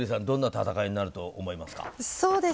どんな戦いになると思いますか？